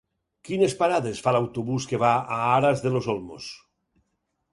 Quines parades fa l'autobús que va a Aras de los Olmos?